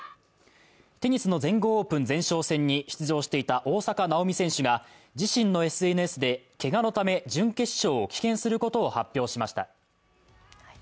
テニスの全豪オープン前哨戦に出場していた大坂なおみ選手が自身のＳＮＳでけがのため準決勝を棄権することを発表しました。